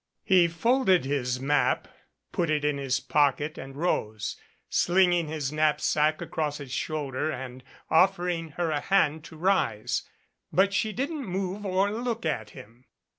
He folded his map, put it in his pocket and rose, sling ing his knapsack across his shoulder and offering her a hand to rise. But she didn't move or look at him.